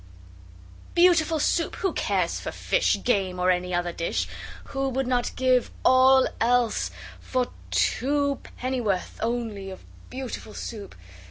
Beautiful Soup! Who cares for fish, Game, or any other dish? Who would not give all else for two Pennyworth only of Beautiful Soup?